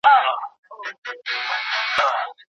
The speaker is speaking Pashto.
هغوی هيڅکله د بل ستونزي نه دي پټي کړي.